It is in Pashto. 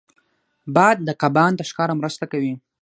باد د کبان د ښکار مرسته کوي